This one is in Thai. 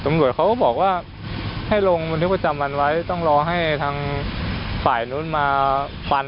ตำรวจเขาก็บอกว่าให้ลงบันทึกประจำวันไว้ต้องรอให้ทางฝ่ายนู้นมาฟัน